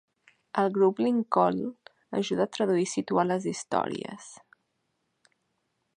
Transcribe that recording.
El Grup Lincoln ajuda a traduir i situar les històries.